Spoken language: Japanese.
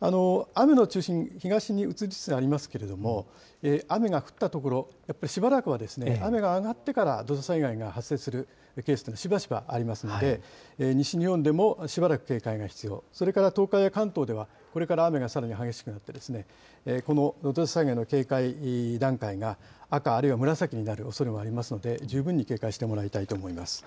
雨の中心、東に移りつつありますけれども、雨が降った所、やっぱりしばらくは雨が上がってから土砂災害が発生するケースというのはしばしばありますので、西日本でもしばらく警戒が必要、それから東海や関東ではこれから雨がさらに激しくなって、この土砂災害の警戒段階が赤、あるいは紫になるおそれもありますので、十分に警戒してもらいたいと思います。